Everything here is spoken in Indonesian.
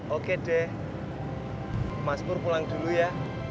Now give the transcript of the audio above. oke deh mas pur pulang dulu ya